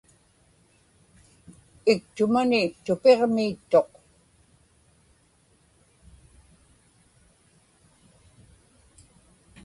iktumani tupiġmi ittuq